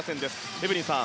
エブリンさん